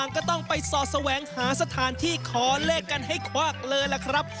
ก็ต้องไปสอดแสวงหาสถานที่ขอเลขกันให้ควักเลยล่ะครับ